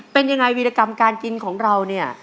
เป็นยังไงวีรกรรมการกินของเราเนี่ย